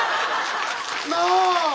なあ！